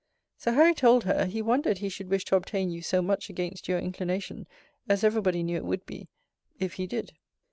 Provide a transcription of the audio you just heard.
Sir Harry told her, he wondered he should wish to obtain you so much against you inclination as every body knew it would be, if he did.